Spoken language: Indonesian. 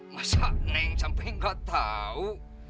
masa neng sampai gak tahu